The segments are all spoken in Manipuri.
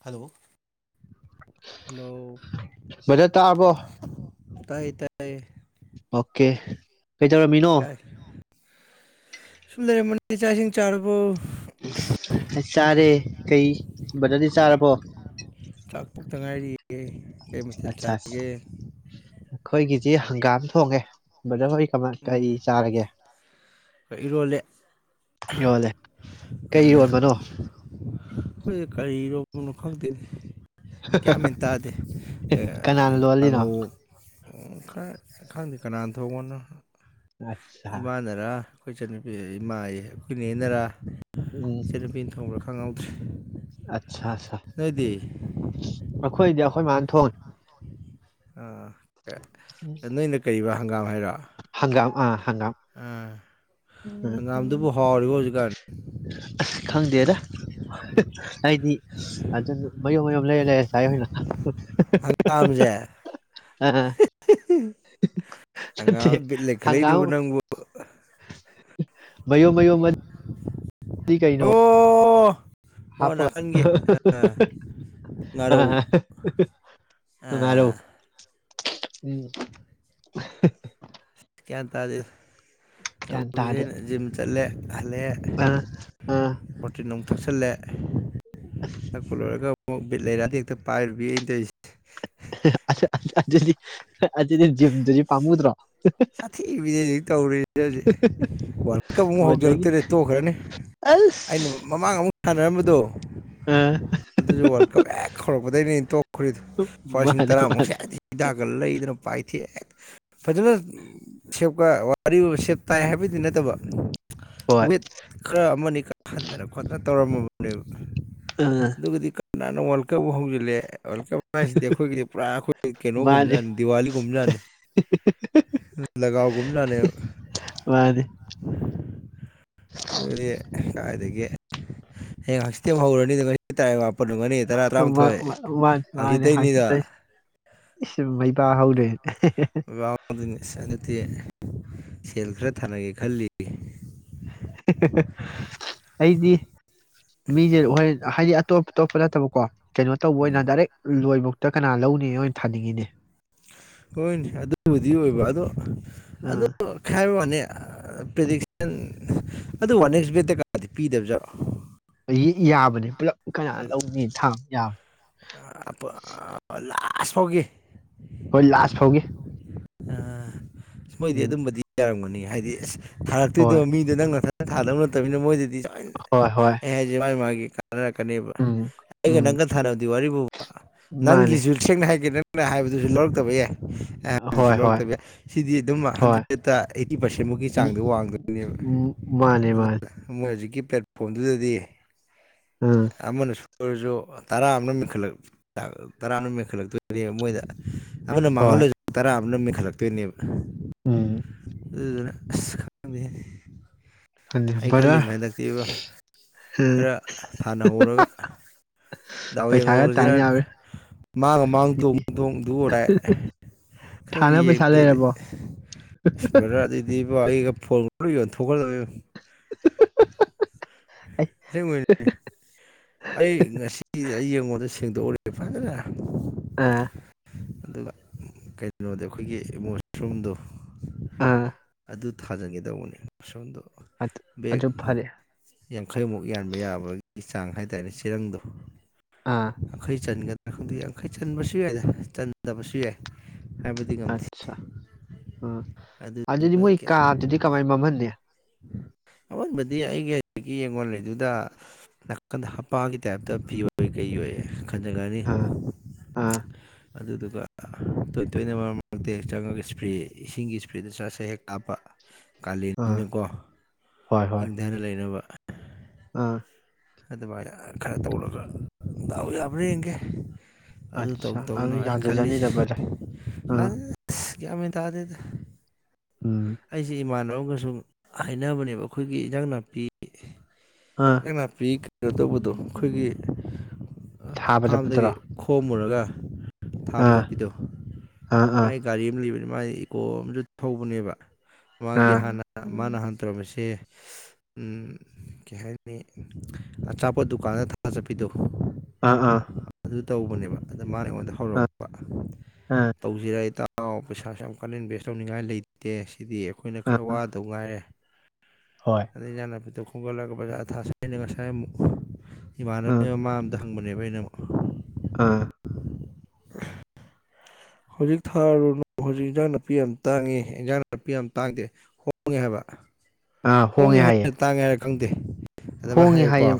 ꯍꯜꯂꯣ ꯍꯜꯂꯣ ꯃꯖꯦ ꯇꯥꯕꯣ ꯇ꯭ꯂꯦ ꯑꯣꯀꯦ ꯀꯩꯗꯧꯔꯝꯃꯤꯅꯣ ꯁꯨꯨꯝꯗꯔꯦ ꯃ ꯆꯥꯁꯤꯡ ꯆꯥꯔꯔꯕ ꯑꯁ ꯆꯥꯔꯦ ꯀꯩ ꯕꯖꯔꯗꯤ ꯆꯥꯔꯕꯣ ꯦ ꯑꯆꯥ ꯈꯣꯏꯒ ꯁꯤ ꯍꯪꯒꯥꯝ ꯊꯣꯡꯉꯦ ꯕꯖꯣꯏ ꯀꯃꯥꯏ ꯀꯔꯤ ꯎꯝ ꯆꯥꯔꯒꯦ ꯏꯔꯣꯜꯂꯦ ꯌꯣꯜꯂꯦ ꯀꯩ ꯌꯣꯟꯕꯅꯣ ꯑꯩ ꯀꯔꯤꯔ ꯈꯪꯗꯦꯅꯤ ꯀꯌꯥꯃꯦꯟ ꯇꯥꯗꯦ ꯀꯅꯥꯅ ꯂꯣꯜꯂꯤꯅꯣ ꯀꯥꯡꯉꯧ ꯃꯈꯈ ꯗꯤ ꯀꯅꯥ ꯇꯅ ꯑꯠꯆꯥ ꯏꯃꯥꯟꯅꯔꯥ ꯑꯩꯈꯣꯏ ꯏꯆꯟꯅꯨꯄꯤ ꯏꯃꯥ ꯑꯩꯈꯣꯏꯅꯦꯅꯔꯥ ꯎꯝ ꯁꯔ ꯄꯟ ꯊꯣꯡ꯭ꯔ ꯐꯉꯥꯎ ꯑꯠꯆꯥ ꯑꯠꯆꯥ ꯑꯗꯨꯗꯤ ꯑꯩꯈꯣꯏꯗꯤ ꯑꯩꯈꯣꯏ ꯃꯥꯅ ꯊꯣꯡꯅꯤ ꯑꯥ ꯑꯗꯨ ꯏꯅ ꯀꯔꯤꯕ ꯍꯪꯒꯥꯝ ꯍꯥꯏꯩꯔ ꯒꯝꯥ ꯑꯝ ꯍꯡꯒꯥꯝꯗꯨꯕꯨ ꯍꯥꯎꯔꯤꯕꯣ ꯍꯧꯖꯤꯀꯟ ꯑꯁ ꯈꯪꯗꯦꯗ ꯑꯩꯗꯤ ꯑꯗꯨꯅ ꯃꯌꯨꯝ ꯃꯌꯨꯝ ꯂꯩꯔ ꯂꯩꯔꯦ ꯉꯁꯥꯏ ꯑꯣꯏꯅ ꯍꯪꯒꯥꯝꯁꯦ ꯑ ꯅꯠꯇꯦ ꯍꯪꯒꯥꯝ ꯠ ꯂꯩꯈꯠꯂꯛꯏꯗꯨꯕ ꯅꯪꯕꯨ ꯃꯌꯣ ꯃꯌꯣ ꯃ ꯑꯣ ꯑꯣ ꯍꯥꯄ ꯅꯥꯀꯟꯒꯤ ꯉꯥꯔꯧ ꯑꯔꯣ ꯑꯥ ꯎꯝ [inaudible] ꯀ꯭ꯌꯥ ꯇꯥꯖꯦꯜ ꯒ꯭ꯌꯥꯟ ꯇꯧꯔꯤꯁꯦ ꯇꯥꯗꯦ ꯑꯩꯅ ꯖꯤꯝ ꯆꯠꯂꯦ ꯍꯜꯂꯛꯑꯦ ꯑ ꯑ ꯄꯣꯔꯇꯤꯟ ꯅꯨꯡꯛ ꯊꯛꯆꯜꯂꯦ ꯊꯛꯄ ꯂꯣꯏꯔꯒ ꯕꯤꯠ ꯂꯩꯔꯥꯗꯤ ꯍꯦꯛꯇ ꯄꯥꯏꯔꯨꯕꯤ ꯑꯩꯅ ꯇꯧꯁꯦ [inaudible] ꯑꯗꯨꯗꯤꯖꯤꯗꯨꯗꯤ ꯄꯥꯝꯃꯨꯗ꯭ꯔꯣ ꯁꯥꯊꯤꯕꯤꯅꯦ ꯍꯧꯖꯤꯛ ꯇꯧꯔꯤꯁꯦ ꯍꯧꯖꯤꯛ ꯋꯥꯔꯜ ꯀꯞ ꯑꯃꯨꯛ ꯃꯖꯒꯤ ꯍꯧꯖꯤꯜꯂꯛꯇꯣꯏꯅꯦ ꯇꯣꯛꯈ꯭ꯔꯅꯤ ꯑ ꯑꯩꯅ ꯃꯃꯥꯡ ꯑꯃꯨꯛ ꯁꯥꯟꯅꯔꯝꯕꯗꯣ ꯑꯗꯨꯁꯨ ꯋꯥꯔꯜ ꯀꯞ ꯍꯦꯛ ꯍꯧꯥꯎꯔꯛꯄꯗꯒꯤꯅꯦ ꯇꯣꯛꯈ꯭ꯔꯦꯗ ꯂꯨꯄꯥ ꯂꯤꯁꯤꯡ ꯃꯥꯅꯦ ꯇꯔꯥꯃꯨꯛꯁꯦ ꯃꯥꯅꯦ ꯌꯥꯝꯦꯗꯤ ꯍꯤꯗꯥꯛꯀ ꯂꯩꯗꯅ ꯄꯥꯏꯊꯤ ꯐꯖꯅ ꯁꯦꯞꯀ ꯋꯥꯔꯤ ꯁꯦꯞ ꯇꯥꯏ ꯍꯥꯏꯕꯗꯤ ꯅꯠꯇꯕ ꯍꯣꯏ ꯋꯤꯠ ꯃꯠ ꯀ꯭ꯔ ꯑꯃꯅꯤ ꯀ ꯑꯟꯗ꯭ꯔ ꯈꯠꯇ ꯇꯧꯔꯝꯣꯕꯨꯟꯗꯦꯕ ꯑ ꯑꯗꯨꯒꯒꯗꯤ ꯅꯪ ꯋꯥꯜ ꯀꯕꯨ ꯍꯧꯪꯒꯂꯦ ꯋꯥꯔꯜ ꯀꯞ ꯍꯥꯏꯁꯤꯗꯤ ꯑꯩꯈꯣꯏꯒꯤꯗꯤ ꯄꯨꯔꯥ ꯑꯩꯈꯣꯏ ꯃꯥꯅꯦ ꯀꯩꯅꯣꯒꯨꯝꯕ ꯗꯤꯋꯥꯂꯤ ꯨꯃꯖꯅꯦ ꯂꯒꯋ ꯨꯃꯖꯅꯦ ꯃꯥꯅꯦ ꯑꯗꯨꯗꯤ ꯀꯗꯥꯥꯏꯗꯒꯤ ꯍꯌꯦꯡ ꯍꯪꯆꯤꯛꯇꯤ ꯑꯃ ꯍꯧꯔꯅꯤꯗ ꯉꯁꯤ ꯇꯔꯥꯏ ꯋꯥꯄ ꯄꯟꯒꯅꯤ ꯇꯔꯥ ꯇꯔꯥꯃꯥꯊꯣꯏ ꯃꯥꯅꯦ ꯃꯥꯅꯦ ꯍꯪꯆꯤꯇꯩꯅꯤꯗ ꯍꯥꯡꯆꯤꯠ ꯏꯁ ꯃꯩꯕ ꯍꯧꯔꯦ ꯅꯤꯁ ꯁꯦꯜ ꯈꯔ ꯊꯥꯅꯒꯦ ꯈꯜꯂꯤ ꯑꯩꯗꯤ ꯃꯤꯦ ꯍꯥꯏ ꯇꯣꯞ ꯇꯣꯞꯄ ꯅꯠꯇꯕ ꯀꯣ ꯀꯩꯅꯣ ꯇꯧꯕ ꯑꯣꯏꯅ ꯎꯝ ꯗꯥꯏꯔꯦꯛ ꯂꯣꯏꯕ ꯀꯅꯥ ꯂꯧꯅꯤꯣꯏ ꯑꯣꯏꯅ ꯊꯥꯅꯤꯡꯉꯤꯅꯦ ꯍꯣꯏꯅꯦ ꯑꯗꯨꯕꯨꯗꯤ ꯑꯣꯏꯕ ꯑꯗꯣ ꯑꯗꯨ ꯈꯥꯏꯕ ꯋꯥꯅꯤ ꯄ꯭ꯔꯔꯤꯗꯤꯛꯁꯟ ꯑꯗꯨ ꯋꯥꯟ ꯑꯦꯛꯁ ꯕꯦꯠꯇ ꯀꯥꯗꯤ ꯄꯤꯗꯕꯖꯠꯔꯣ ꯌꯥꯕꯅꯦ ꯄꯨꯂꯞ ꯀꯅꯥ ꯂꯧꯅꯤ ꯊ ꯌꯥꯕ ꯂꯥꯁ ꯐꯥꯎꯒꯤ ꯍꯣꯏ ꯂꯥꯁ ꯍꯒ ꯑ ꯃꯣꯏꯗꯤ ꯑꯗꯨꯝꯕꯗꯤ ꯌꯥꯔꯝꯒꯅꯤ ꯍꯥꯏꯗꯤ ꯑ ꯍꯣꯏ ꯊꯥꯔꯛꯇꯣꯏꯗꯕ ꯃꯤꯗꯣ ꯅꯪꯅ ꯊꯥꯗꯕ ꯅꯠꯇꯅꯤꯅ ꯃꯣꯏꯗꯤ ꯍꯣꯏ ꯍꯣꯏ ꯃꯥꯒꯤꯦ ꯊꯅꯔꯛꯀꯅꯦꯕ ꯎꯝ ꯑꯩꯒ ꯎꯝ ꯅꯪꯒ ꯊꯥꯅꯕꯗꯤ ꯋꯥꯔꯤꯔꯤꯕ ꯐꯥꯎꯕ ꯃꯥꯅꯦ ꯅꯪꯒꯤꯁꯨ ꯁꯦꯡꯅ ꯍꯥꯏꯒꯦꯗ ꯍꯥꯏꯕꯗꯨꯁꯨ ꯂꯧꯔꯛꯇꯕ ꯌꯥꯏ ꯍꯣꯏ ꯍꯣꯏ ꯂꯧꯔꯛꯇꯕ ꯌꯥ ꯁꯤꯗꯤ ꯑꯗꯨꯝ ꯍꯣꯏ ꯍꯟꯗ꯭ꯔꯦꯠꯇ ꯑꯩꯠꯇꯤ ꯄꯥꯔꯁꯦꯟꯃꯨꯛꯀꯤ ꯎꯝ ꯆꯥꯡꯗ ꯋꯥꯡꯗꯣꯏꯅꯦꯕ ꯎꯝ ꯃꯥꯅꯦ ꯑꯗꯨ ꯃꯥꯅꯦ ꯃꯣꯏ ꯍꯧꯖꯤꯛꯀꯤ ꯄ꯭ꯂꯦꯠꯐꯣꯝꯗꯨꯗꯗꯤ ꯎꯝ ꯑꯣꯏꯔꯁꯨ ꯇꯔꯥ ꯑꯃꯅꯦꯟꯈꯠꯂ ꯇꯔꯥ ꯃꯦꯟꯈꯠꯂꯛꯇꯣꯏ ꯃꯣꯏꯗ ꯑꯅ ꯍꯣꯏ ꯃꯥꯡꯉꯂ ꯇꯔꯅ ꯈꯜꯂꯛꯇꯣꯏꯅꯦꯕ ꯎꯝ ꯑꯗꯨꯅ ꯁꯤ ꯈꯪꯗꯦ ꯍꯥꯏ ꯑ ꯐꯔ ꯊꯥꯟꯅꯍꯧꯔꯒ ꯗꯥꯎ ꯄꯩꯁꯥꯒ ꯇꯥꯟ ꯌꯦꯡꯍꯧꯔꯁꯤꯅ ꯌꯥꯕ꯭ꯔꯥ ꯃꯥꯡ ꯃꯥꯡ ꯇꯣꯡ ꯇꯣꯡꯗꯨ ꯑꯣꯏꯔꯥꯏ ꯈꯔ ꯊꯥꯅ ꯄꯩꯁꯥ ꯌꯦꯡꯗ꯭ꯔꯗꯤ ꯂꯩꯔꯕꯣ ꯏꯁꯄ ꯑꯗꯨꯗꯤ ꯕ ꯑꯩꯒ ꯑꯣ ꯊꯧꯈꯥꯖꯦ [inaudible] ꯑꯩ ꯉꯁꯤ ꯌꯦꯡꯉꯗ ꯇꯁꯤꯡꯗꯣ ꯑꯣꯔ ꯐꯖꯔꯦ ꯑ ꯑꯗꯨꯒ ꯀꯩꯅꯣꯗꯤ ꯑꯩꯈꯣꯏꯒꯤ ꯏꯃꯣꯁꯔꯨꯝꯗꯣ ꯑꯥ ꯑꯗꯨ ꯊꯥꯖꯟꯒꯦꯗꯧꯕꯅꯦ ꯁꯣꯣꯟꯗꯣ ꯑ ꯑꯖꯣ ꯐꯔꯦ ꯌꯥꯡꯈꯩꯃꯨꯛ ꯌꯥꯟꯕ ꯌꯥꯕꯒꯤ ꯆꯥꯡ ꯍꯥꯏꯇꯥꯔꯦꯅꯦ ꯆꯦꯔꯪꯗꯣ ꯑꯥ ꯑꯈꯣꯏ ꯆꯅꯤꯡꯒ ꯈꯪꯗꯦ ꯌꯥꯡꯈꯩ ꯆꯟꯕꯁꯨ ꯌꯥꯏꯗ ꯆꯟꯗꯕꯁꯨ ꯌꯥꯏ ꯍꯥꯏꯕꯗꯤ ꯉꯝꯗꯦ ꯑꯠꯆꯥ ꯎ ꯑꯗꯨꯗꯤ ꯑꯗꯨꯗꯨꯒ ꯃꯣꯏ ꯀꯌꯥ ꯀꯥꯗꯨꯗꯤ ꯀꯃꯥꯏꯅ ꯃꯝꯍꯟꯦ ꯑꯑꯣꯟꯕꯗꯤ ꯑꯩꯒꯤ ꯍꯧꯖꯤꯛꯀꯤ ꯌꯦꯡꯉꯣꯜꯂꯤꯗꯨꯗ ꯅꯥꯀꯟꯗ ꯍꯞꯄꯥꯒꯤ ꯇꯥꯏꯞꯇ ꯐꯤꯣꯏ ꯀꯩ ꯑꯣꯏꯌꯦ ꯈꯖꯒꯔꯤ ꯑꯥ ꯑꯥ ꯑꯗꯨꯗꯨꯒ ꯇꯣꯏ ꯇꯣꯏꯅ ꯃꯔꯝ ꯃꯔꯛꯇꯦꯦꯛ ꯆꯪꯉꯒ ꯏꯁꯄ꯭ꯔꯦ ꯏꯁꯤꯡꯒꯤ ꯏꯁꯄ꯭ꯔꯦꯗ ꯆꯥꯛꯁ ꯍꯦꯛ ꯀꯥꯞꯄ ꯀꯥꯜꯂꯤ ꯑꯥ ꯍꯣꯏ ꯍꯣꯏ ꯏꯪꯊꯅ ꯂꯩꯅꯕ ꯑꯥ ꯑꯗꯨꯕꯥ ꯈꯔ ꯇꯧꯔꯒ ꯗꯥꯎ ꯌꯥꯕ꯭ꯔꯥ ꯌꯦꯡꯒꯦ ꯑꯗꯨ ꯇꯧ ꯑꯠꯆꯥ ꯇꯧꯅ ꯑꯗꯨ ꯑꯩꯅ ꯈꯜꯂꯤꯁꯦ ꯌꯥꯖꯖꯅꯤꯗꯔꯕꯗ ꯑꯥ ꯃꯤ ꯇꯥꯗꯦꯗ ꯎꯝ ꯑꯩꯁꯦ ꯏꯃꯥꯟ ꯑꯃꯁꯨꯡ ꯍꯥꯏꯅꯕꯅꯦꯕ ꯑꯩꯈꯣꯏꯒꯤ ꯏꯟꯖꯥꯡ ꯅꯥꯄꯤ ꯑꯥ ꯏꯖꯥꯡꯅꯄꯤ ꯀꯩꯅꯣ ꯇꯧꯕꯗꯣ ꯑꯩꯈꯣꯏꯒꯤ ꯊꯥꯕ ꯐꯥꯝꯗꯒꯤ ꯆꯠꯄꯗꯨꯔꯣ ꯈꯣꯝꯃꯨꯔꯒ ꯊꯥꯕ ꯑꯥ ꯆꯠꯄꯤꯗꯣ ꯑꯥ ꯑꯥ ꯃꯥꯥꯏ ꯒꯥꯔꯤ ꯑꯃ ꯂꯩꯕꯅꯤ ꯃꯥꯥꯏ ꯏꯀꯣ ꯑꯃꯁꯨ ꯊꯧꯕꯅꯦꯕ ꯃꯥꯒꯤ ꯍꯟꯅ ꯃꯥꯅ ꯍꯥꯟꯅ ꯇꯧꯔꯝꯃꯤꯁꯦ ꯀꯩ ꯍꯥꯏꯅꯤ ꯑꯆꯥꯄꯣꯠ ꯗꯨꯀꯥꯟꯗ ꯊꯥꯖꯠꯄꯤꯗꯣ ꯑꯥ ꯑꯥ ꯑꯗꯨ ꯇꯧꯕꯅꯦꯕ ꯑꯗ ꯃꯥꯅ ꯑꯩꯉꯣꯟꯗ ꯍꯧꯔꯛꯄ ꯑꯥ ꯇꯧꯁꯤꯔ ꯍꯥꯏꯇꯥ ꯑꯥꯎ ꯄꯩꯁꯥꯁꯨꯦ ꯌꯥꯝ ꯀꯟꯅ ꯏꯟꯚꯦꯁ ꯇꯧꯅꯤꯡꯉꯥꯏ ꯂꯩꯇꯦ ꯁꯤꯗꯤ ꯑꯩꯈꯣꯏꯅ ꯑꯥ ꯑꯥ ꯈꯔ ꯎꯝ ꯋꯥꯗꯧ ꯉꯥꯏꯔꯦ ꯍꯣꯏ ꯑ ꯌꯥꯅꯦꯗ ꯐꯒꯣꯂꯒ ꯕꯖꯥ ꯊꯥ ꯉꯁꯥꯏ ꯎꯝ ꯏꯃꯥꯟꯅꯔꯅꯦ ꯃꯃ ꯑꯝꯗ ꯍꯪꯕꯅꯦꯕꯩꯅ ꯑꯥ [inaudible] ꯍꯧꯖꯤꯛ ꯊꯥꯔꯨꯅꯨ ꯍꯧꯖꯤꯛ ꯏꯟꯖꯥꯡ ꯅꯥꯄꯤ ꯌꯥꯝ ꯇꯥꯡꯉꯤ ꯏꯟꯖꯥꯡ ꯅꯥꯄꯤ ꯌꯥꯝ ꯇꯥꯡꯗꯦ ꯍꯣꯡꯉꯦ ꯍꯥꯏꯕ ꯑꯥ ꯍꯣꯡꯉꯦ ꯍꯣꯏ ꯍ ꯍꯥꯏꯌꯦ ꯇꯥꯡꯉꯦ ꯈꯪꯗꯦ ꯑꯗꯨꯃꯥꯏꯅ ꯍꯣꯡꯉꯦ ꯍꯥꯏꯌꯨꯀꯣ ꯍꯥꯏꯌꯦ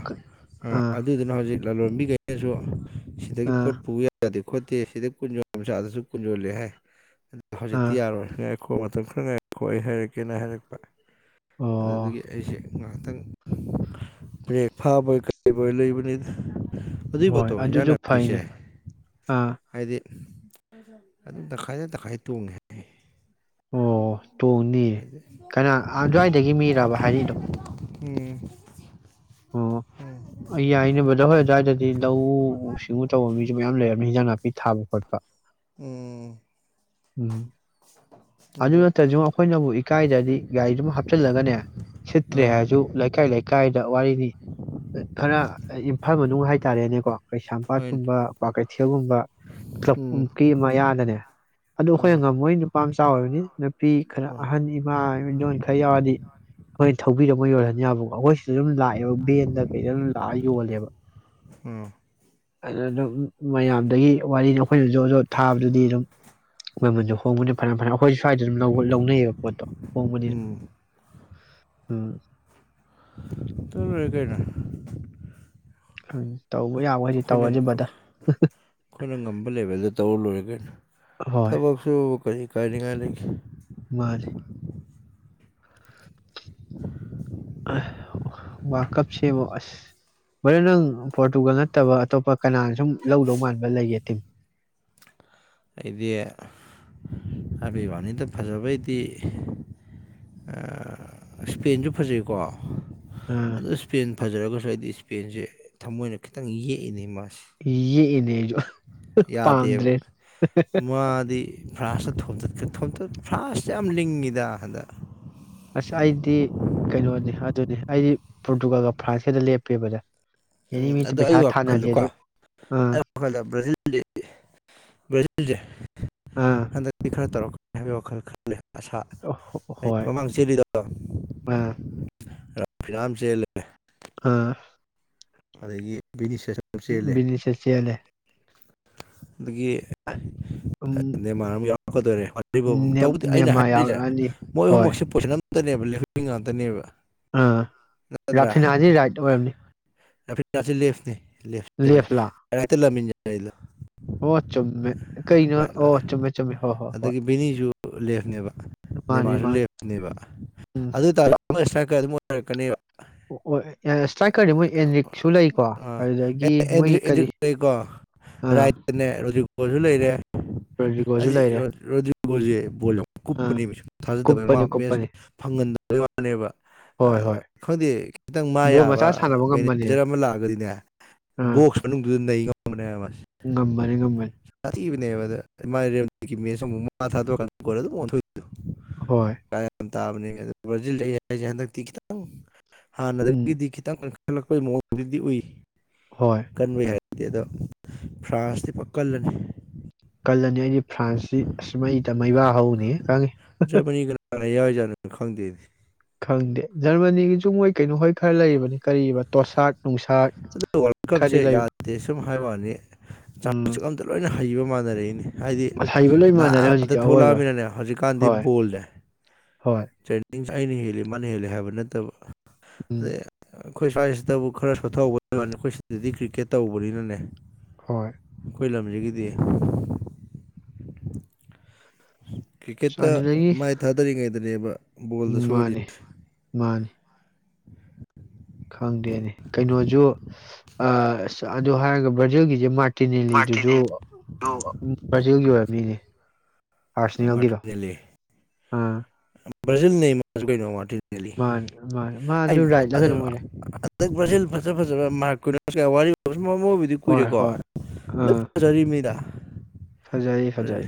ꯑꯥ ꯑꯗꯨꯗꯨꯅ ꯍꯧꯖꯤꯛ ꯂꯂꯣꯟꯕꯤꯈꯩꯅꯁꯨ ꯁꯤꯗꯒꯤ ꯑꯥ ꯄꯣꯠꯄꯨ ꯌꯥꯏ ꯌꯥꯗꯦ ꯈꯣꯠꯇꯦ ꯁꯤꯗ ꯀꯨꯖꯣꯝ ꯆꯗꯁꯨ ꯀꯨꯖꯣꯜꯂꯦꯍꯦ ꯑꯥ ꯍꯧꯖꯤꯛꯗꯤꯌꫭꯔ ꯈꫭꯟꯒ ꯀꯟꯊꯠꯅꯔꯦ ꯑꯩ ꯍꯥꯏꯔꯛꯀꯦꯅ ꯍꯥꯏꯔꯛꯄ ꯑꯣ ꯑꯗꯨꯗꯨꯒꯤ ꯑꯩꯁꯦ ꯉꯍꯥꯛꯇꯪ ꯕ꯭ꯔꯦꯛ ꯐꯥꯕꯣꯏ ꯀꯩꯔꯤꯕꯣꯏ ꯂꯩꯕꯅꯤꯗ ꯑꯗꯨꯒꯤ ꯍꯣꯏ ꯄꯣꯠꯇꯣ ꯏꯟꯖꯥꯡ ꯑꯗꯨꯁꯨ ꯅꯥꯄꯤꯁꯦ ꯐꯩꯅꯦ ꯑꯥ ꯑꯗꯨ ꯇꯈꯥꯏꯗꯦ ꯇꯈꯥꯏ ꯇꯣꯡꯉꯦ ꯑꯣ ꯇꯣꯡꯅꯤꯌꯦ ꯍꯥꯏꯗꯤ ꯀꯅꯥ ꯑꯗꯨꯋꯥꯏꯗꯒꯤ ꯃꯤꯔꯕ ꯍꯥꯏꯔꯛꯏꯗꯣ ꯎꯝ ꯑꯣ ꯑꯩ ꯌꯥꯏꯅꯕꯗ ꯍꯣꯏ ꯑꯗꯨꯋꯥꯏꯗꯗꯤ ꯂꯧꯎ ꯁꯤꯡꯎ ꯇꯧꯕ ꯃꯤꯁꯨ ꯃꯌꯥꯝ ꯂꯩꯔꯝꯅꯤ ꯍꯟꯖꯥꯟꯅꯥ ꯄꯤ ꯊꯥꯕ ꯈꯣꯠꯄ ꯎꯝ ꯎꯝ ꯎꯝ ꯑꯗꯨ ꯑꯗꯣ ꯅꯠꯇꯁꯨ ꯑꯩꯈꯣꯏꯅꯕꯨ ꯏꯀꯥꯏꯗꯗꯤ ꯒꯥꯔꯤꯗꯨꯃ ꯍꯥꯞꯆꯤꯜꯂꯒꯅꯦ ꯁꯤꯠꯇ꯭ꯔꯦ ꯑꯥ ꯍꯥꯏꯔꯁꯨ ꯂꯩꯀꯥꯏ ꯂꯩꯀꯥꯏꯗ ꯋꯥꯔꯤꯅꯤ ꯈꯔ ꯏꯝꯐꯥꯜ ꯃꯅꯨꯡ ꯍꯥꯏꯇꯥꯔꯦꯅꯦꯀꯣ ꯀꯩꯁꯥꯝꯄꯥꯠ ꯍꯣꯏꯅꯦ ꯀꯨꯝꯕꯩ ꯊꯤꯒꯨꯝꯕ ꯎꯝ ꯀ꯭ꯂꯕꯃꯨꯛꯀꯤ ꯃꯌꯥꯗꯅꯦ ꯑꯗꯨ ꯑꯩꯈꯣꯏꯅ ꯑꯥ ꯉꯝꯃꯣꯏ ꯅꯨꯄꯥ ꯃꯆꯥ ꯑꯣꯏꯕꯅꯤ ꯅꯨꯄꯤ ꯈꯔ ꯑꯥ ꯑꯍꯟ ꯏꯃꯥ ꯏꯗꯣꯟ ꯈꯔ ꯌꯥꯎꯔꯗꯤ ꯑꯩꯈꯣꯏꯅ ꯄꯕꯤꯔꯝꯃ ꯌꯥꯔꯦꯅꯤꯕꯕꯨ ꯑꯩꯈꯣꯏ ꯑꯗꯨꯝ ꯂꯥꯛꯑꯦꯕ ꯕꯦꯟꯗ ꯀꯩꯗ ꯑꯗꯨꯝ ꯂꯥꯛꯑ ꯌꯣꯜꯂꯦꯕ ꯎꯝ ꯑꯗꯨ ꯑꯗꯨꯝ ꯃꯌꯥꯝꯗꯒꯤ ꯋꯥꯔꯤꯅꯤ ꯑꯩꯈꯣꯏꯅ ꯖꯣꯖ ꯊꯥꯕꯗꯨꯗꯤ ꯑꯗꯨꯝ ꯃꯃꯜꯁꯨ ꯍꯣꯡꯕꯗꯤ ꯐꯅ ꯐꯅ ꯑꯩꯈꯣꯏ ꯁ꯭ꯋꯥꯏꯗ ꯑꯗꯨꯝ ꯂꯧꯅꯩꯌꯦꯕ ꯄꯣꯠꯇꯣ ꯍꯣꯡꯕꯅꯤꯅ ꯎꯝ ꯎꯝ ꯇ ꯀꯅ ꯎꯝ ꯇꯧꯕ ꯌꯥꯕꯈꯩꯗꯤ ꯑꯈꫭꯏꯅ ꯇꯧꯔꯁꯤ ꯕ꯭ꯔꯗꯔ ꯑꯩꯈꯣꯏꯅ ꯉꯝꯕ ꯂꯦꯕꯦꯜꯗ ꯇꯧꯔ ꯂꯣꯏꯔꯒꯦ ꯍꯣꯏ ꯊꯕꯛ ꯁꯨ ꯀꯔꯤ ꯀꯥꯏꯔꯤꯉꯥꯏꯗꯒꯤ ꯃꯥꯜ ꯋꯥꯔꯜ ꯀꯞ ꯁꯦꯝꯃꯣ ꯑꯁ ꯃꯔꯗꯤ ꯅꯪ ꯄꯣꯔꯇꯨꯒꯜ ꯅꯠꯇꯕ ꯑꯇꯣꯞꯄ ꯀꯅꯥꯅ ꯁꯨꯝ ꯂꯧꯗꯧ ꯃꯥꯟꯕ ꯂꯩꯒꯦ ꯇꯤꯝ ꯑꯩꯗꯤ ꯍꯥꯏꯄꯤꯕꯥꯅꯤꯗ ꯐꯖꯕꯩꯗꯤ ꯏꯁꯄꯦꯟꯁꯨ ꯐꯖꯩꯀꯣ ꯑꯥ ꯑꯗ ꯏꯁꯄꯦꯟ ꯐꯖꯔꯒꯁꯨ ꯑꯩꯗꯤ ꯏꯁꯄꯦꯟꯁꯦ ꯊꯃꯣꯏꯅ ꯈꯤꯇꯪ ꯌꯦꯛꯏꯅꯦ ꯃꯥꯁꯦ ꯌꯦ ꯏꯃꯦꯖ ꯌꯥꯗꯦꯕ ꯃꯥꯗꯤ ꯐ꯭ꯔꯥꯁ ꯊꯣꯇꯠ ꯊꯣꯝꯇꯠ ꯐꯥꯁ ꯌꯥꯝ ꯂꯤꯡꯉꯤꯗ ꯍꯗ ꯑꯁ ꯑꯩꯗꯤ ꯀꯩꯅꯣꯅꯤ ꯑꯗꯨꯅꯤ ꯑꯩꯗꯤ ꯄꯣꯔꯇꯨꯒꯥꯜꯒ ꯐ꯭ꯔꯥꯟꯁꯀꯗ ꯂꯦꯞꯄꯦꯕꯗ ꯎꯝ ꯑꯗꯣ ꯑꯩ ꯋꯥꯈꯜꯗꯣꯀꯣ ꯑꯥ ꯑꯩ ꯋꯥꯈꯜꯗ ꯕ꯭ꯔꯥꯖꯤꯜꯗꯤ ꯕ꯭ꯔꯥꯖꯤꯜꯁꯦ ꯑꯥ ꯍꯟꯗꯛꯇꯤ ꯈꯔ ꯇꯧꯔꯛꯀ ꯍꯥꯏ ꯋꯥꯈꯜ ꯈꯂꯦ ꯑꯁꯥ ꯑꯣ ꯑꯩ ꯍꯣꯏ ꯃꯃꯥꯡ ꯆꯦꯜꯂꯤꯗꯣ ꯑꯥ ꯌꯥꯝ ꯆꯂꯦ ꯑꯥ ꯑꯗꯒꯤ ꯕꯤꯅꯤꯁ ꯃꯤꯅꯤꯁꯦ ꯆꯦꯜꯂꯦ ꯑꯗꯒꯤ ꯎꯝ ꯅꯃꯥꯟ ꯌꯥꯎ ꯃꯈꯈꯗꯔꯦ ꯅꯦꯝ ꯇꯧꯕꯨꯗꯤ ꯑꯩꯅ ꯅꯦꯃꯥꯔ ꯍꯥꯏꯔꯤꯁꯦ ꯌꯥꯎꯔꯛꯑꯅꯤ ꯃꯣꯏ ꯍꯣꯏ ꯑꯍꯨꯝꯃꯛꯁꯦ ꯄꯣꯁꯤꯟ ꯉꯥꯛꯇꯅꯦꯕ ꯂꯍꯕꯤ ꯉꯥꯛꯇꯅꯦꯕ ꯑꯥ ꯔꯐꯤꯅꯥꯖꯤ ꯔꯥꯏꯠ ꯑꯣꯏꯝꯅꯤ ꯆꯁꯤ ꯂꯦꯞꯅꯦ ꯂꯦꯐꯂꯥ ꯂꯞꯕꯅꯦꯛꯇꯃꯤ ꯑꯂ [unintelligible] [inaudible] ꯑꯣ ꯆꯨꯝꯃꯦ ꯀꯩꯅꯣ ꯑꯣ ꯆꯨꯝꯃꯦ ꯆꯨꯝꯃꯦ ꯍꯣꯏ ꯍꯣꯏ ꯍꯣꯏ ꯑꯗꯒꯤ ꯕꯤꯅꯤꯁꯨ ꯂꯦꯐꯅꯦꯕ ꯃꯥꯅꯤ ꯅꯦꯃꯔ ꯃꯥꯅꯤ ꯁꯨ ꯂꯞꯄꯅꯦꯕ ꯎꯝ ꯑꯗꯨ ꯇ [unintelligible] [inaudible] ꯀꯅꯤꯕ ꯏꯁꯇ꯭ꯔꯥꯏꯀꯔꯗꯤ ꯃꯣꯏ ꯑꯦꯟꯔꯤꯛꯁꯨ ꯂꯩꯀꯣ ꯑꯥ ꯑꯗꯨꯗꯒꯤ ꯑꯦꯟꯗ꯭ꯔꯤꯛ ꯃꯣꯏꯒꯤ ꯀꯔꯤ ꯑꯦꯟꯗ꯭ꯔꯤꯛ ꯑꯥ ꯀꯣꯏꯁꯨ ꯂꯩꯔꯦ ꯔꯣꯗ꯭ꯔꯤꯒꯣꯁꯨ ꯍꯥꯏꯗꯤ ꯂꯩꯔꯦ ꯔꯣꯗꯤ꯭ꯔꯤꯒꯣꯜꯁꯦ ꯕꯣꯜ ꯌꯥꯝ ꯑꯥ ꯀꯨꯞꯄꯅꯦ ꯃꯤ ꯁꯨꯝ ꯀꯨꯞꯄꯅꯤ ꯊꯥꯖꯗꯕꯅꯤ ꯃꯦꯠꯁ ꯀꯨꯞꯄꯅꯤ ꯐꯪꯍꯟꯗꯕꯩ ꯋꯥꯅꯦꯕ ꯍꯣꯏ ꯍꯣꯏ ꯈꯪꯗꯦ ꯈꯤꯇꯪ ꯃꯥ ꯕꯣꯜ ꯃꯆꯥ ꯌꯥꯕ ꯁꯥꯟꯅꯕ ꯉꯝꯕꯅꯦ ꯃꯦꯅꯦꯖꯔ ꯑꯃ ꯂꯥꯛꯑꯒꯗꯤꯅꯦ ꯑꯥ ꯕꯣꯛꯁ ꯃꯅꯨꯡꯗꯨꯗ ꯅꯩ ꯉꯝꯕꯅꯦ ꯉꯝꯕꯅꯤ ꯉꯝꯕꯅꯤ [unintelligible] [inaudible] ꯍꯣꯏ ꯥꯕꯅꯤ [unintelligible] [inaudible] ꯑꯪ ꯍꯥꯥꯅ ꯗ ꯎꯝ ꯒꯤ ꯗꯤ ꯈꯤ ꯇꯪ ꯁꯜꯂꯛꯄꯒꯤ ꯃꯑꯣꯡꯗꯨꯗꯤ ꯎꯏ ꯍꯣꯏ ꯀꯟꯚ [unintelligible] [inaudible] ꯗꯦꯗ ꯐ꯭ꯔꯥꯟꯁꯇꯤ ꯄꯥꯀꯜꯂꯅꯤ ꯀꯜ ꯂꯅꯤ ꯗꯤ ꯐ꯭ꯔꯥꯟꯁꯁꯤ ꯑꯁꯃꯩ ꯇ ꯃꯩꯕ ꯍꯧꯅꯤ ꯈꯪꯉꯤ ꯖꯔꯃꯅꯤ ꯀꯅꯥꯅ ꯌꯥꯎꯔꯤꯖꯥꯠꯅꯣ ꯈꯪꯗꯦ ꯈꯪꯗꯦ ꯖꯔꯃꯅꯤꯒꯤꯁꯨ ꯃꯣꯏ ꯀꯩꯅꯣ ꯍꯣꯏ ꯈꯔ ꯂꯩꯔꯤꯕꯅꯤ ꯀꯔꯤ ꯇꯣꯁꯥꯛ ꯅꯨꯡꯁꯥꯛ ꯑ ꯋꯥꯔꯜ ꯀꯞꯁꯦ ꯈꯔꯗꯤ ꯂꯩꯕ ꯌꯥꯗꯦ ꯁꯨꯝ ꯍꯥꯏꯕꯅꯤ ꯆ ꯎꯝ ꯑꯇ ꯂꯣꯏꯅ ꯍꯩꯕ ꯃꯥꯟꯅꯔꯛꯏꯅꯤ ꯍꯥꯏꯗꯤ ꯍꯩꯕ ꯂꯣꯏ ꯅꯍꯥꯛ ꯃꯥꯟꯅꯔꯦ ꯉꯥꯛꯇ ꯍꯧꯖꯤꯛꯇꯤ ꯑꯋꯣꯏꯕ ꯊꯣꯛꯂꯛꯑꯃꯤꯅꯅꯦ ꯍꯧꯖꯤꯛꯀꯥꯟꯗꯤ ꯍꯣꯏ ꯕꯣꯜꯅꯦꯦ ꯍꯣꯏ ꯑꯩꯅ ꯍꯦꯜꯂꯤ ꯃꯥꯅ ꯍꯦꯜꯂꯤ ꯍꯥꯏꯕ ꯅꯠꯇꯕ ꯎꯝ ꯑꯗꯩ ꯑꯩꯈꯣꯏ ꯁ꯭ꯋꯥꯏꯁꯤꯗꯕꯨ ꯈꯔ ꯁꯣꯊꯍꯧꯕꯅꯤ ꯑꯩꯈꯣꯏ ꯁꯤꯗꯗꯤ ꯀ꯭ꯔꯤꯛꯀꯦꯠ ꯇꯧꯕꯅꯤꯅꯅꯦ ꯍꯣꯏ ꯑꯩꯈꯣꯏ ꯂꯝꯁꯤꯒꯤꯗꯤ ꯀ꯭ꯔꯤꯀꯦꯠꯇ ꯃꯥꯥꯏ ꯊꯥꯗꯔꯤꯉꯩꯗ ꯑꯗꯨꯅꯦꯕ ꯃꯥꯅꯦ ꯃꯥꯅꯤ ꯑ ꯑ ꯑꯗꯨ ꯍꯥꯏꯔꯒ ꯕ꯭ꯔꯥꯖꯤꯜꯒꯤꯁꯦ ꯃꯥ ꯇꯤꯅꯦꯂꯤꯗꯨꯁꯨ ꯃꯥꯔꯇꯤꯅꯦꯜꯂꯤꯗꯣ ꯕ꯭ꯔꯥꯖꯤꯜꯒꯤ ꯑꯣꯏꯔꯕꯅꯤꯅꯦ ꯃꯥꯇꯔꯖꯂꯤ ꯑꯥ [unintelligible] ꯃꯥꯅꯦ ꯃꯥꯅꯦ ꯃꯥꯁꯨ ꯂꯥꯛꯗ ꯐꯩꯅꯣ ꯃꯣꯏꯔꯦ [unintelligible] ꯑꯨꯝ ꯃ ꯃꯣꯏꯕꯨꯗꯤ ꯍꯣꯏ ꯀꯨꯏꯔꯦꯀꯣ ꯍꯣꯏ ꯂꯞ ꯆꯖꯔꯤꯕ ꯃꯤꯅ ꯐꯖꯥꯏ ꯐꯖꯥꯏ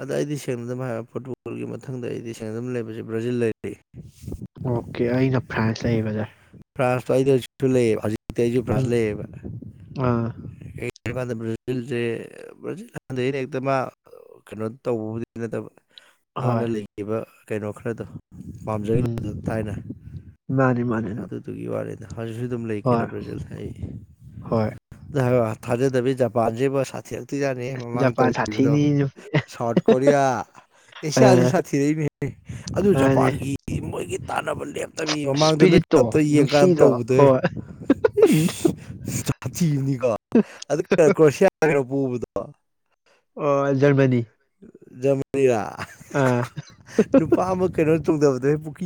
ꯑꯗ ꯑꯩꯗꯤ ꯁꯦꯡꯅ ꯑꯗꯨꯝ ꯐꯨꯠꯕꯣꯜꯒꯤ ꯃꯊꯪꯗ ꯑꯩꯗꯤ ꯁꯦꯡꯅꯗꯨ ꯂꯩꯕꯁꯦ ꯕ꯭ꯔꯥꯖꯤꯜ ꯂꯩꯔꯤ ꯑꯣꯀꯦ ꯑꯩꯅ ꯐ꯭ꯔꯥꯟꯁ ꯂꯩ ꯕꯗꯥꯔ [inaudible] ꯇꯦꯖꯨ ꯑꯩꯖꯨ ꯐ꯭ꯔꯥꯁ ꯂꯩꯌꯦꯕ ꯑꯥ [unintelligible] ꯕ꯭ꯔꯥꯖꯤꯜꯁꯦ ꯕ꯭ꯔꯥꯖꯤꯜ ꯍꯥꯟꯗꯅꯤ ꯑꯦꯗ ꯃꯥ ꯀꯩꯅꯣ ꯇꯧꯕꯕꯨꯗꯤ ꯅꯠꯇꯕ ꯍꯥꯟꯅ ꯍꯣꯏ ꯂꯩꯒꯤꯕ ꯀꯩꯅꯣ ꯈꯔꯗꯣ ꯎꯝ ꯄꯥꯝꯖꯒꯤꯕꯗꫭ ꯊꯥꯏꯅ ꯃꯥꯅꯤ ꯃꯥꯅꯤ ꯑꯗꯨ ꯑꯗꯨꯗꯨꯒꯤ ꯋꯥꯅꯤ ꯍꯧꯖꯤꯛꯁꯨ ꯑꯗꯨꯝ ꯂꯩ ꯀꯩꯅꯣ ꯍꯣꯏ ꯕ꯭ꯔꯥꯖꯤꯜ ꯑꯩ ꯍꯣꯏ [unintelligible] ꯊꯥꯖꯗꯕꯤ ꯖꯥꯄꯟꯖꯦꯕꫭ ꯁꯥꯊꯤ ꯇꯨꯖꯥꯅꯤꯌꯦ ꯃꯃꯥꯡ ꯖꯄꯥꯟ ꯇꯧꯈꯤꯕꯗꯣ ꯁꯥꯊꯤꯅꯤ ꯁꯥꯎꯠ ꯀꯣꯔꯤꯌꯥ ꯑ ꯑꯦꯁꯤꯌꯥꯁꯤ ꯁꯥꯊꯤꯔꯛꯏꯅꯤ ꯑꯗꯨ ꯃꯥꯅꯦ ꯖꯄꯥꯟꯒꯤ ꯃꯣꯏꯒꯤ ꯇꯥꯟꯅꯕ ꯂꯦꯞ ꯇꯕꯤ ꯃꯃꯥꯡꯗ ꯅꯣꯏ ꯏꯁꯄꯤꯔꯤꯠꯇꯣ ꯀꯞꯇ ꯌꯦꯡꯀꯥꯟꯗ ꯅꯨꯡꯁꯤꯗ꯭ꯔꯣ ꯇꯧꯕꯗꫭꯍꯦ ꯍꯣꯏ ꯏꯁ ꯁꯥꯊꯤꯕꯅꯤꯀꯣ ꯑꯗꯨ ꯀ꯭ꯔꯣꯁꯤꯌꯥ ꯄꫭꯕꯗꫭ ꯑꯣ ꯖꯔꯃꯅꯤ ꯖ꯭ꯔꯃꯥꯅꯤꯔ ꯑꯥ [unintelligible] ꯅꯨꯄꯥ ꯑꯃ ꯀꯩꯅꯣ ꯆꫭꯡꯗꯕ [unintelligible]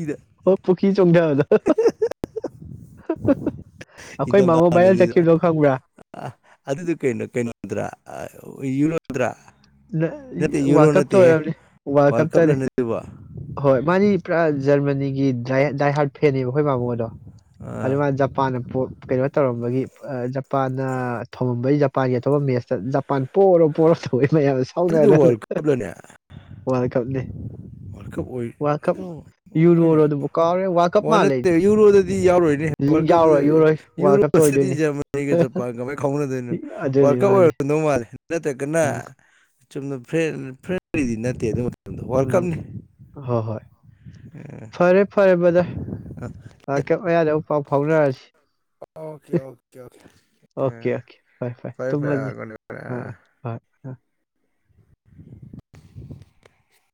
ꯑꯣ ꯄꯨꯈꯤ ꯆꯣꯡꯗꯕ ꯗꫭ [unintelligible] ꯑꯩꯈꯣꯏ ꯏꯪꯗꯝ ꯃꯥꯃꯣ ꯗꯥꯅꯦ ꯚꯥꯏꯔꯦꯜ ꯑꯗꯨꯖꯨ ꯆꯠꯈꯤꯕꯗꯣ ꯈꯪꯕ꯭ꯔꯥ ꯑꯗꯨꯗꫭ ꯀꯩꯅꯣ ꯀꯩꯅꯣꯗ꯭ꯔꯥ ꯌꯨꯔꫭꯗꯔ ꯋꯥꯔ ꯀꯞꯇ ꯑꯣꯏꯔꯝꯅꯤ ꯋꯥꯔꯜ ꯀꯞꯇꯅꯤ ꯀꯞꯂꯅꯦ ꯑꯗꯨꯕꯣ ꯍꯣꯏ ꯃꯥꯅꯤ ꯄꯨꯔꯥ ꯖꯔꯃꯅꯤꯒꯤ ꯗꯥꯏꯍꯥꯠ ꯐꯦꯟꯅꯦꯕ ꯑꯩꯈꯣꯏ ꯃꯥꯝꯃꫭꯗꯣ ꯑꯥ ꯑꯗꯨꯃꯥꯏꯅ ꯖꯄꯥꯟꯗ ꯀꯩꯅꯣ ꯇꯧꯔꯝꯕꯒꯤ ꯖꯄꯥꯟꯅ ꯊꫭꯝꯃꯝꯕꯩ ꯖꯄꯥꯟꯒꯤ ꯑꯇꯣꯞꯄ ꯃꯦꯠꯁꯇ ꯖꯄꯥꯟ ꯄꯣꯛꯔꯣ ꯄꯣꯔꯣ ꯇꯧꯋꯦ ꯃꯌꯥꯝꯅ ꯑꯗꯨꯗꯤ ꯁꯥꯎꯅꯗꯅ ꯋꯥꯔꯜ ꯀꯞꯂꯥꯅꯦ ꯋꯥꯔꯜ ꯀꯞꯅꯦ ꯋꯥꯔꯜ ꯀꯞ ꯑꯣꯏ ꯋꯥꯔꯜ ꯀꯞ ꯑꯗꫭ ꯍꫭꯏꯅ ꯌꯨꯔꯣꯔꯣ ꯑꯗꯨꯕꯨ ꯀꯥꯎꯔꯦ ꯋꯥꯔꯜ ꯀꯞ ꯃꯥꯜꯂꯦ ꯅꯠꯇ ꯌꯨꯔꯣꯗꯗꯤ ꯌꯥꯎꯔꯣꯏꯅꯦ ꯋꯥꯔꯜ ꯀꯞꯇ ꯌꯥꯎꯔꯣꯏ ꯌꯨꯔꯣꯏ ꯋꯥꯔꯜ ꯀꯞꯇ ꯌꯨꯔꯣꯁꯤꯗꯤ ꯑꯣꯏꯗꯣꯏꯅꯤ ꯖꯔꯃꯅꯤꯒ ꯖꯄꯥꯟꯒꯃꯥꯏ ꯈꯥꯎꯅꯗꯣꯏꯅꯣ ꯋꯥꯔꯜ ꯑꯗꯨꯅꯤ ꯀꯞ ꯃꯥꯅꯤ ꯑꯣꯏꯔꯀꯗꯧ ꯃꯥꯜꯂꯦ ꯅꯠꯇ꯭ꯔꯒꯅ ꯎꯝ ꯆꯨꯝꯅ ꯐ꯭ꯔꯦ ꯐ꯭ꯔꯦꯔꯤꯗꯤ ꯅꯠꯇꯦ ꯑꯗꯨꯝ ꯎꯝ ꯍ ꯍꯣꯏ ꯐꯔꯦ ꯐꯔꯦ ꯕꯗ꯭ꯔ ꯋꯥꯔꯜ ꯀꯝ ꯃꯥꯌꯥꯗ ꯑꯃꯨꯛ ꯄꯥꯎ ꯐꯥꯎꯅꯔꯁꯤ ꯑꯣꯀꯦ ꯑꯣꯀꯦ ꯑ ꯑꯣꯀꯦ ꯑꯣꯀꯦ ꯐꯔꯦ ꯐꯥꯔꯦ ꯇꯨꯝꯃꯁꯤ ꯑ ꯒꯨꯠ ꯅꯥꯏꯠ ꯒꯨꯠ ꯅꯥꯏꯠ [unintelligible] [inaudible]